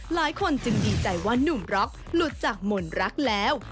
หลายคนจึงดีใจว่านุ่มร็อกหลุดจากหม่นรักแล้ว